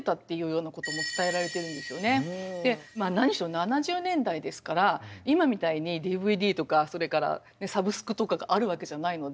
７０年代ですから今みたいにＤＶＤとかそれからサブスクとかがあるわけじゃないので。